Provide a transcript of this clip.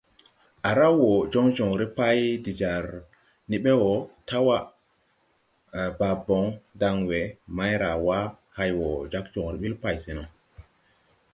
À raw wɔ joŋ joŋre pay de jar ni ɓe wɔ, Tawa, Baabon, Danwë, Mairawa hay wɔ jag joŋre ɓil pay see no.